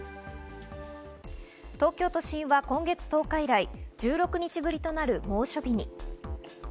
東京都心は今月１０日以来、１６日ぶりとなる猛暑日に。